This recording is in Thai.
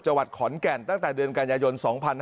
จังหวัดขอนแก่นตั้งแต่เดือนกันยายน๒๕๕๙